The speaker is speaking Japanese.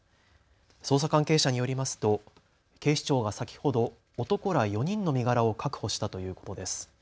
捜査関係者によりますと警視庁が先ほど男ら４人の身柄を確保したということです。